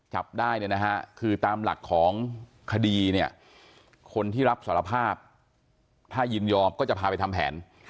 จับได้เนี่ยนะฮะคือตามหลักของคดีเนี่ยคนที่รับสารภาพถ้ายินยอมก็จะพาไปทำแผน